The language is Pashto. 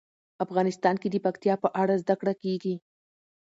افغانستان کې د پکتیا په اړه زده کړه کېږي.